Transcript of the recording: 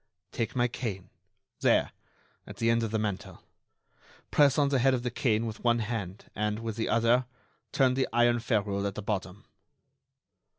"Take my cane, there, at the end of the mantel. Press on the head of the cane with one hand, and, with the other, turn the iron ferrule at the bottom."